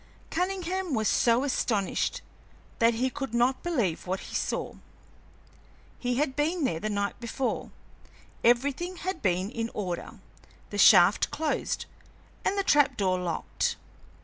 Cunningham was so astonished that he could not believe what he saw. He had been there the night before; everything had been in order, the shaft closed, and the trap door locked.